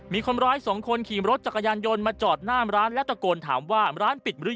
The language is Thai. มีคนร้ายสองคนขี่รถจักรยานยนต์มาจอดหน้ามร้านและตะโกนถามว่าร้านปิดหรือ